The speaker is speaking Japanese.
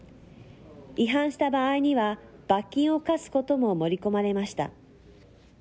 違反した場合には、罰金を科すことも盛り込まれました。